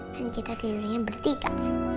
kan kita tidurnya bertiga